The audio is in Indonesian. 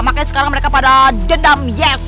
makanya sekarang mereka pada jendam yes